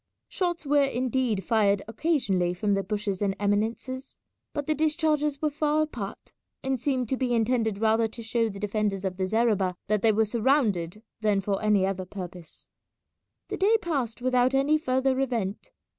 Shots were indeed fired occasionally from the bushes and eminences, but the discharges were far apart, and seemed to be intended rather to show the defenders of the zareba that they were surrounded than for any other purpose. The day passed without any further event.